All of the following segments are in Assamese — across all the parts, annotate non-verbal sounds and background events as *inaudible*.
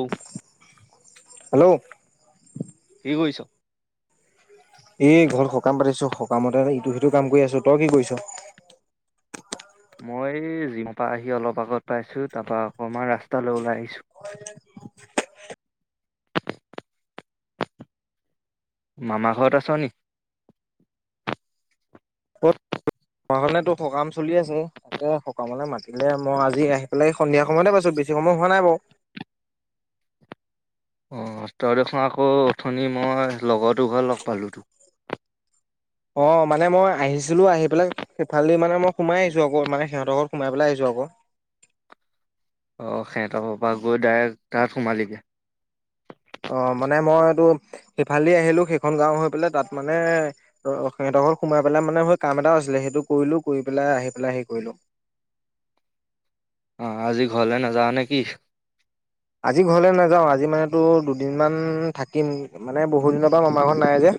ঔ হেল্ল' কি কৰিছ এই ঘৰত সকাম পাতিছো সকামতে ইটো সিটো কাম কৰি আছো তই কি কৰিছ মই জিমৰ পৰা আহি অলপ আগত পাইছো তাৰপা অকমান ৰাস্তালৈ ওলাই আহিছো মামা ঘৰত আছ নি ঘখনে তো সকাম চলি আছে তে সকামলে মাতিলে মই আজি আহি পেলাই সন্ধিয়া সময়তে পাইছো বেছি সময় হোৱা নাই বাৰু অ তডখৰ আকৌ উথনি মই লগৰ দু ঘৰ লগ পালোঁতো অ মানে মই আহিছিলো আহি পেলাই সেইফালেদি মানে মই সোমাই আহিছো আকৌ মানে সিহঁতৰ ঘৰত সোমাই পেলাই আহিছো হ আহ সিহত পৰা গৈ ডাইৰেক্ট তাত সোমালেগে অ মানে মইতটো সিফালদি আহিলো সেইখন গাঁও হৈ পেলাই তাত মানে স ত সোমাই পেলাই মানে স কাম এটাও আছিলে সেইটো কৰিলো কৰি পেলাই আহি পেলাই সেই কৰিলো আহ আজি ঘৰলে নাযাাৱ নে কিি আজি ঘৰলৈ নাযাওঁ আজি মানেতো দুদিনমান থাকিম মানে বহুদিনৰ পৰা মমাৰ ঘৰত নাই যে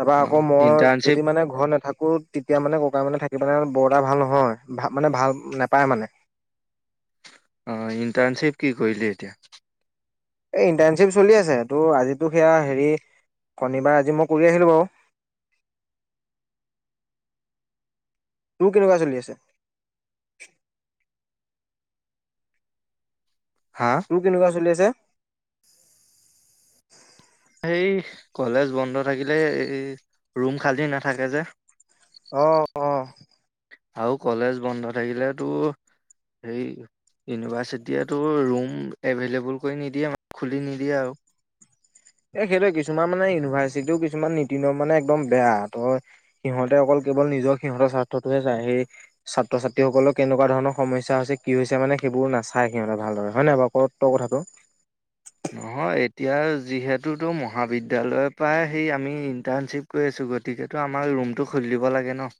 তাৰপৰা আকৌ অ' মই ইণ্টাৰ্ণশ্বিপ যদি মানে ঘৰত নাথাকো তেতিয়া মানে ককাই মানে থাকি পানে বৰ এটা ভাল নহয় ভ মানে ভাল নোপায় মানে ইণ্টাৰ্ণশ্বিপ কি কৰিলি এতিয়া এই ইণ্টাৰ্ণশ্বিপ চলি আছে তটো আজিতো সেয়া হেৰি শনিবাৰ আজি মই কৰি আহিলোঁ বাৰু স তোৰ কেনেকুৱা চলি আছে হা? তোৰ কেনেকুৱা চলি আছে এই কলেজ বন্ধ থাকিলে এই ৰুম খালী নাথাকে যে। অ অ। আৰু কলেজ বন্ধ থাকিলেতো হেৰী ইউনিভাৰ্চিটিয়েটো ৰুম এভেইলেবল কৰি নিদিয়ে খুলি নিদিয়ে আৰু। এ সেইটোয়ে কিছুমান মানে ইউনিভাৰ্চিটিও কিছুমান নীতি-নিয়ম মানে একদম বেয়া তই সিহঁতে অকল কেৱল নিজৰ সিহঁতৰ স্বাৰ্থতোহে চাই সেই ছাত্ৰ-ছাত্ৰীসকলৰ কেনেকুৱা ধৰণৰ সমস্যা হৈছে কি হৈছে মানে সেইবোৰ নাচায় সিহঁতে ভালদৰে হয়নে বাৰু ক তই কথাটো? *inaudible* নহয় এতিয়া যিহেতুতো মহাবিদ্যয়ালয়ৰ পৰাই সেই আমি ইন্টাৰ্ণশ্বিপ কৰি আছোঁ। গতিকেটো আমাৰ ৰুমটো খুল দিব লাগে ন।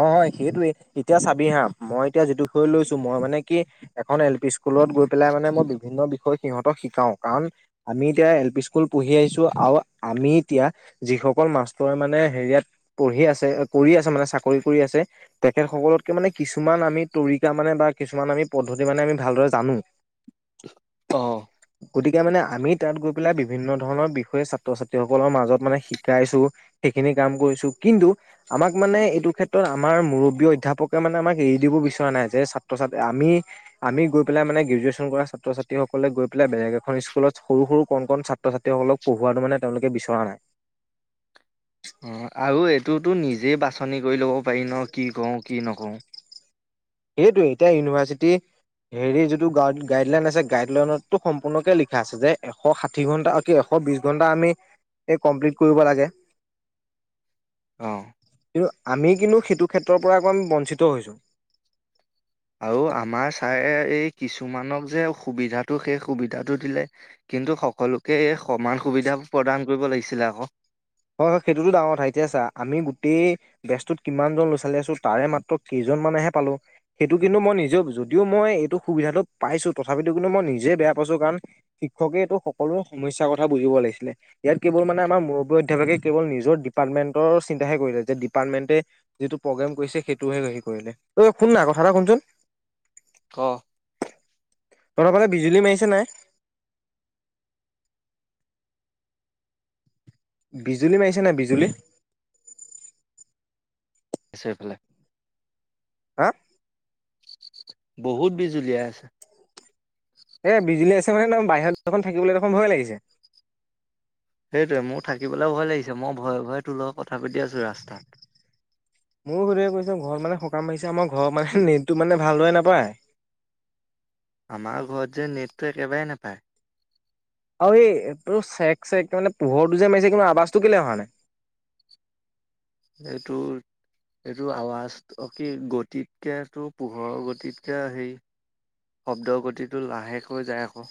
অ হয় সেইটোৱে। এতিয়া চাবি হা মই এতিয়া যিটো বিষয়ে লৈছো মই মানে কি এখন এল পি স্কু স্কুলত গৈ পেলাই মানে মই বিভিন্ন বিষয় সিহঁতক শিকাওঁ কাৰণ আমি এতিয়া এল পি স্কুল পঢ়ি আহিছোঁ আৰু আমি এতিয়া যিসকল মাষ্টৰে মানে হেৰিয়াত পঢ়ি আছে কৰি আছে মানে চাক চাকৰি কৰি আছে তেখেতসকলতকে মানে কিছুমান আমি তৰিকা মানে বা কিছুমান আমি পদ্ধতি মানে আমি ভালদৰে জানো। অহ। গতিকে মানে আমি তাত গৈ পেলাই বিভিন্ন ধৰণৰ বিষয়ে ছাত্ৰ ছাত্ৰীসকলৰ মাজত মানে শিকাইছো সে সেইখিনি কাম কৰিছো কিন্তু আমাক মানে এইটো ক্ষেত্ৰত আমাৰ মুৰব্বী অধ্যয়াপকে মানে আমাক এৰি দিব বিচৰা নাই যে ছাত্ৰ ছাত্ৰী আমি আমি গৈ পেলাই মানে গ্ৰেজুৱেশ্যন কৰা ছাত্ৰ ছাত্ৰীসকলে গৈ পেলাই বেলেগ এখন স্কুলত সৰু সৰু কণ ছাত্ৰ ছাত্ৰীসকলক পঢ়োৱা মানে তেওঁলোকে বিচৰা নাই। *unintelligible* অ আৰু এইটোতো নিজেই বাছনি কৰি ল'ব পাৰি ন কি কৰো কি নকৰো। সেইটোয়ে এতিয়া ইউনিভাৰ্চিটি হেৰি যিটো গা গাইডলাইন আছে গাইডলাইনতটো সম্পূৰ্ণকে লিখা আছে যে এশ ষাঠি ঘণ্টা এ কি এশ এশ বিছ ঘণ্টাত আমি এই কমপ্লিট কৰিব লাগে। *inaudible* অ' কিন্তু আমি কিন্তু সেইটো ক্ষেত্ৰৰ পৰা আকৌ আমি বঞ্চিত হৈছোঁ। আৰু আমাৰ ছাৰে এই কিছুমানক যে সুবিধাটো সেই সুবিধাটো দিলে কিন্তু সকলোকে এই সমান সুবিধা প্ৰদান কৰিব লাগিছিলে আকৌ। হয় হয় সেইটোতো ডাঙৰ কথা এতিয়া চা আমি গোটেই বেছটোত কিমানজন লৰা- ছোৱালী আছো তাৰে মাত্ৰ কেইজন মানেহে পালো সেইটো কিন্তু মই নিজেও যদিও মই এইটো সুবিধাটো পাইছো তথাপিতো কিন্তু মই নিজে বেয়া পাইছো কাৰণ শিক্ষকে এইটো সকলো সমস্যা কথা বুজিব লাগিছিলে ইয়াত কেৱল মানে আমাৰ মুৰ কেভাগে কেৱল নিজৰ ডিপাৰ্টমেণ্টৰ চিন্তাহে কৰিলে যে ডিপাৰ্টমেণ্টে যিটো প্ৰগ্ৰেম কৰিছে সেইটোহে অই শুননা কথা এটা শুনচোন। ক তহঁতৰ ফালে বিজুলী মাৰিছে নে? বিজুলী মাৰিছে নাই বিজুলী? মাৰিছে এইফালে। হা? বহুত বিজুলীয়াই আছে। এ বিজুলীয়াছে মানে বাহিৰত দেখোন থাকিবলে দেখোন ভয় লাগিছে। সেইটোয়ে মোৰ থাকিবলৈ ভয় লাগিছে মই ভয়ে ভয়ে তোৰ কথা পাতি আছোঁ ৰাস্তাত। মোৰ কৈছ ঘৰ মানে বতাহ মাৰিছে আমাৰ ঘৰৰ মানে নেটটো মানে ভালদৰে নাপায়। আমাৰ ঘৰত যে নেটটো একেবাৰে নাপায়। আৰু এই তোৰ চেক চেক তাৰ মানে পোহৰটো যে মাৰিছে কিন্তু আৱাজটো কেলে অহা নাই? সেইটো এইটো আৱাজ অ কি গতিতকে তোৰ পোহৰৰ গতিতকে সেই শব্দগতিটো লাহেকৈ যায়, আকৌ।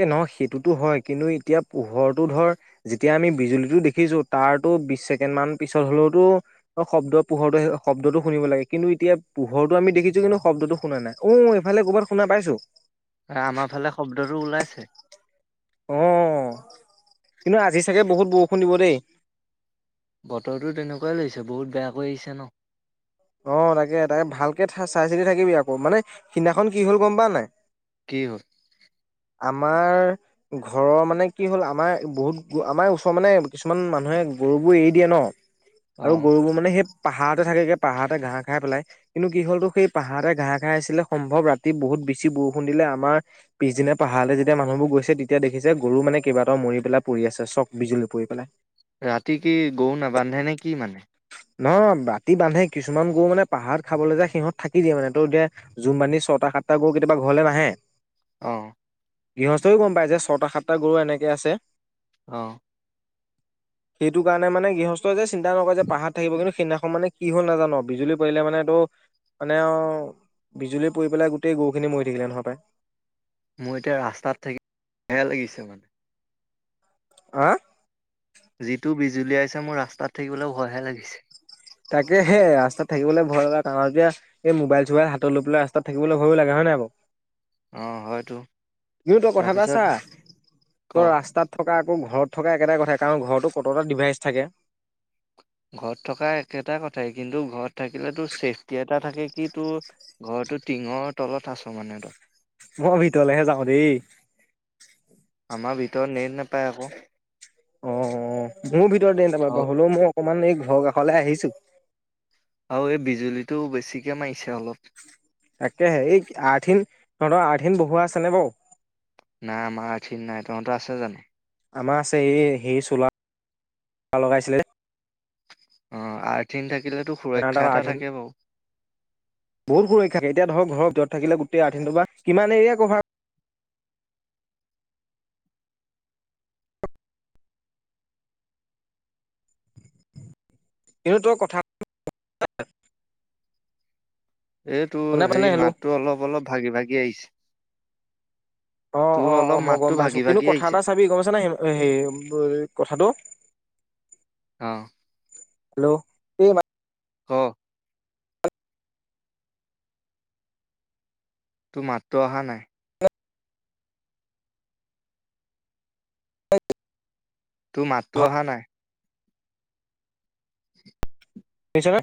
এ, নহয়, সেইটোতো হয়, কিন্তু এতিয়া পোহৰো ধৰ যেতিয়া আমি বিজুলীতো দেখিছো, তাৰো বিশ ছেকেণ্ড মান পিছত হলেওতো শব্দ পোহৰ শব্দটো শুনিব লাগে, কিন্তু এতিয়া পোহৰ আমি দেিখিছো কিন্তু শব্টো শুনা নাই। উ ইফালে ক'বাত শুনা পাইছো। আমাৰ ফালে, শব্দটো ওলাইছে। অ', কিন্তু আজি চাগে বহুত বৰষুণ দিব দেই। বতৰতো তেনেকুৱাই লৈছে, বহুত বেয়া কৈ আহিছে, ন। অ', তাকে তাকে ভালকে চাই চিতি থাকিবি, আকৌ। মানে সিদিনাখন কি হল, গম পোৱা নাই কি হ'ল? আমাৰ ঘৰৰ মানে কি হ'ল, আমাৰ বহুত আমাৰ ওচৰৰ মানে কিছুমান মানুহে গৰুবোৰ এৰি দিয়ে ন, অ আৰু গৰুবোৰ মানে সেই পাহাৰতে থাকেগে পাহাৰতে ঘাহহ খাই পেলাই, কিন্তু কি হ'ল তো সেই পাহাৰাতে ঘাঁহ খাই আছিলে সম্ভৱ, ৰাতি বহুত বেছি বৰষুণ দিলে। আমাৰ পিছদিনা পাহাৰলে যেতিয়া মানুহবোৰ গৈছে তেতিয়া দেখিছে গৰু মানে কেইটাও মৰি পেলাই পৰি আছে চ বিজুলী পৰি পেলাই। ৰাতি কি গৰুন নাবান্ধে নে কি মানে নহ ৰাতি বান্ধে কিছুমান গৰু মানে পাহাৰ খাবলৈ যায় সিহঁত থাকি দিয়ে মানে, ত এতিয়া জুম বান্ধি ছটা ত সাতটা গৈ কেতিাবা ঘৰলে নাহে। আহ। গৃহস্থই গম পায় যে, ছটা সাতটা গৰু এনেকে আছে। অ'। সেইটো কাৰণে, মানে, গৃহস্থই যে চিন্তা নকৰে যে পাহাৰ কিন্তু সেইদিনাখন মানে, কি হল নাজানো, বিজুলী পৰিলে মানে, এইটো মানে, অ', বিজুলী পৰি পেলাই গোটেই গৰুখিনি মৰি থাকিলে, নহয় পায়। মোৰ এতিয়া ৰাস্তাত থাকি বেয়া লাগিছে, মানে। আহ। যিটো বিজুলীয়াইছে, মোৰ ৰাস্তাত থাকিবলৈ ভয়হে লাগিছে। তাকে হে, ৰাস্তাত থাকিবলৈ ভয় লাগে, ক, এতিয়া এই মোবাইল চোবাইল হাতত লৈ পেলাই, ৰাস্তাত থাকিবলৈ ভয় লাগে, হয় নাই? ! *unintelligible* অ', হয়তো। পিয়ো তই কথা এটা তাৰপিছত চা, ক তোৰ ৰাস্তাত থক আকৌ ঘৰত থকা, একেটাই কথা, কাৰণ ঘৰতো কতটা ডিভাইচ থাকে। ঘৰত থকা, একেটা কথাই, কিন্তু ঘৰত থাকিলে তোৰ চছেফটি এটা থাকে, কি তোৰ ঘৰত টো টিঙৰ তলত আছ মানে তই মই ভিতৰলেহে যাওঁ দেই। আমাৰ ভিতৰত নেট নোপায় আকৌ। অ', মোৰ ভিতৰতে ত আৰু হলেও, মই অকমান এই ঘৰ কাষলৈ আহিছো। আৰু এই বিজুলীটো বেছিকে মাৰিছে অলপ। তাকেহে, এই আৰঠিন, তহতৰ আৰ্ঠহিন বহুৱা আছে নে বাৰু? নাই, আমাৰ আৰঠিং নাই, তহতৰ আছে জানো? আমাৰ আছে, এই সেই চোলা লগাইছিলে অ' আ তিনিটাে এ', বহুত সুৰক্ষাকে এতিয়া ধৰক ঘৰৰ য থাকিলে গোটেই আঠিনটো বাা কিমান এৰিয়া কভাৰ কিন্তু তই কথা এইটো শুনা হেৰি, পাইছনে হেল্ল' মাতটো অলপ অলপ ভাগি ভাগি আহিছে। অ', তোৰ অ', অলপ অ', মই মাতটো গম পাইছো ভাগি কিন্তু ভাগি কথা আহিছে এটা চাবি গম পাইছ না হে কথাটো অহ'। হেল্ল' এই অ'। তোৰ মাতটো অহা নাই। তোৰ মাতটো অহা নাই। শুনিছনে?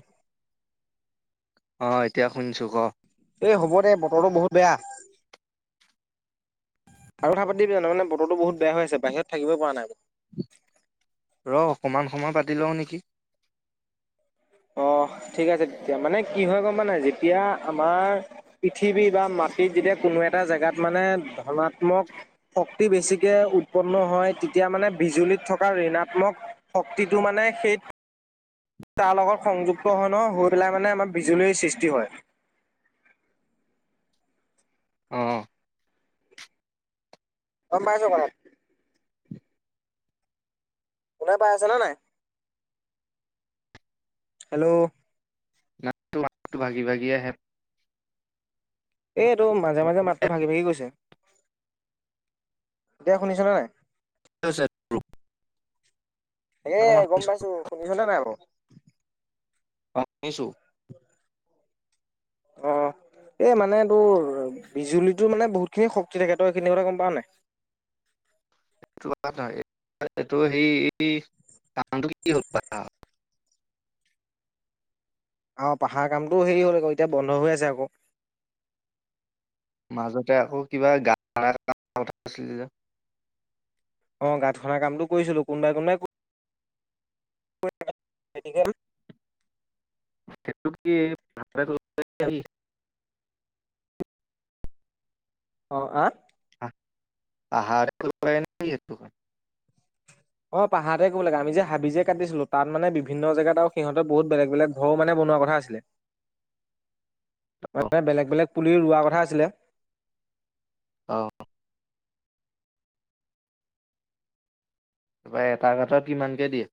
অ এতিয়া শুনিছো ক। এই হ'ব দে বতৰটো বহুত বেয়া। আৰু কথা পাতিবি জানো মানে বতৰটো বহুত বেয়া হৈ আছে বাহিৰত থাকিব পৰা নাই। ৰ অকমান সময় পাতি লওঁ নেকি। অ ঠিক আছে তেতিয়া মানে কি হয় গম পাওঁ নাই যেতিয়া আমাৰ পৃথিৱী বা মাটি। হেই যেতিয়া কোনো এটা জেগাত মানে ধনাত্মক শক্তি বেছিকে উৎপন্ন হয়। তেতিয়া মানে বিজুলীত থকা ঋণাত্মক শক্তিটো মানে সেই তাৰ লগত সংযুক্ত হয় নহয় হৈ পেলাই মানে আমাৰ বিজুলীৰ সৃষ্টি হয়। *inaudible* অ'। গম পাইছ কথাটো। শুনা পাই আছে নে নাই। হেল্ল'। মাতটো মাতটো ভাগি ভাগি আহে। এইটো মাজে মাজে মাতটো ভাগি ভাগি গৈছে। এতিয়া শুনিছনে নাই। চ *unintelligible* এ গম পাইছো শুনিছনে নাই বাৰু। অ শুনিছো। *inaudible* এ মানে তোৰ বিজুলীটোৰ মানে বহুত খিনি শক্তি থাকে তই এইখিনি কথা গম পাৱ নাই। *inaudible* ন এইটো সেই এই কামটো কি হ'ল। আহ পাহাৰ কামটোও হেৰি হ'ল আকৌ এতিয়া বন্ধ হৈ আছে আকৌ। মাজতে আকৌ কিবা গাত খনা কথা আছিলে। অ, গাত খনা কামটো কৰিছিলো কোনোবাই কোনোবাই। *unintelligible* মেডিকেল। সেইটো কি ভ *unintelligible* অ', আহ? পাহাৰ তে কৰিব লাগে নে কি? অ, পাহাৰে ক'ব লাগে আমি যে হাবি যে কাটিছিলো তাতা মানে ভিন্ন জেগাত আৰু সিহঁতে বহুত বেলেগ বেলেগ ঘৰ মানে শুনা কথা আছিলে। *inaudible* অ', মানে বেলেগ বেলেগ পুলি ৰোৱা কথা আছিলে। অ'। তাৰপৰা এটা ঘাটত কিমানকে দিয়ে।